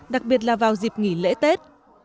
đặc biệt là vào dịp nghỉ lễ tết